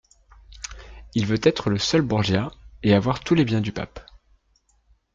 Il veut être le seul Borgia, et avoir tous les biens du pape.